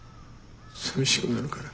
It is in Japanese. さみしくなるから。